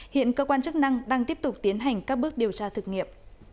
hiện cơ quan chức năng đang tiếp tục tiến hành các bước điều tra thực nghiệm